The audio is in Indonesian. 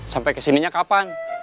sampai kesininya kapan